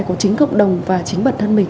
của chính cộng đồng và chính bản thân mình